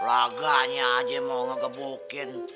laganya aja mau ngegebukin